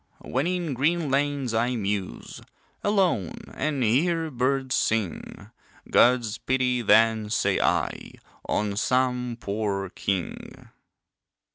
When in green lanes I muse, Alone, and hear birds sing, God's pity then, say I, On some poor king.